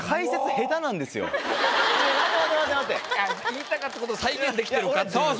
言いたかったことを再現できてるかっていう。